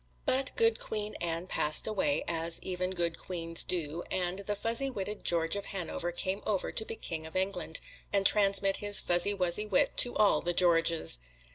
But Good Queen Anne passed away, as even good queens do, and the fuzzy witted George of Hanover came over to be King of England, and transmit his fuzzy wuzzy wit to all the Georges.